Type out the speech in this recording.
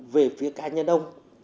về phía cá nhân ông